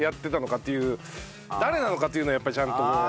誰なのかというのをやっぱりちゃんとこう。